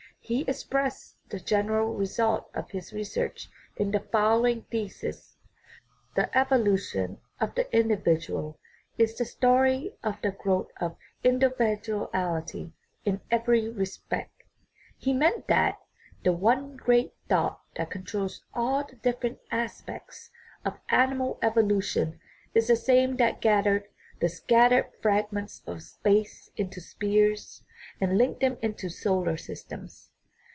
He expressed the general result of his research in the following thesis :" The evolution of the individual is the story of the growth of individual ity in every respect." He meant that " the one great thought that controls all the different aspects of ani mal evolution is the same that gathered the scattered fragments of space into spheres and linked them into solar systems.